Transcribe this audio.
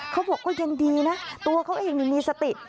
เขาบอกว่าเย็นดีนะตัวเขาเองที่มีสติ